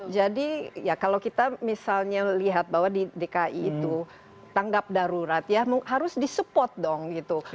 jadi ya kalau kita misalnya lihat bahwa di dki itu tanggap darurat ya harus di support dong gitu